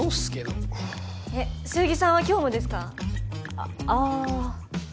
あっああ。